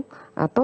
tốt hơn và tốt hơn